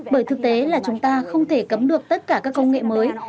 bởi thực tế là chúng ta không thể cấm được tất cả các công nghệ mới